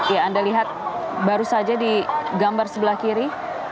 ya anda lihat baru saja di gambar sebelah kiri